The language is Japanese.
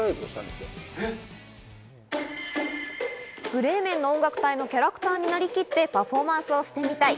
ブレーメンの音楽隊のキャラクターになりきってパフォーマンスをしてみたい。